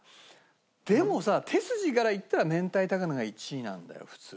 でもさ手筋からいったら明太高菜が１位なんだよ普通だとでも。